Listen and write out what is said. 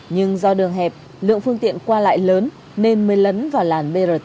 nhưng do đường hẹp lượng phương tiện qua lại lớn nên mới lấn vào làn brt